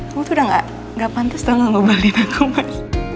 kamu tuh udah gak pantas dong ngebahalin aku mas